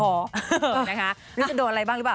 โอเคค่ะนี่จะโดนอะไรบ้างรึเปล่า